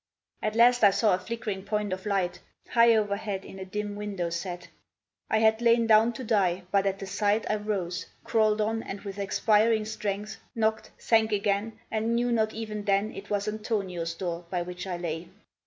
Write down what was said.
At last I saw a flickering point of light High overhead, in a dim window set. I had lain down to die; but at the sight I rose, crawled on, and with expiring strength Knocked, sank again, and knew not even then It was Antonio's door by which I lay.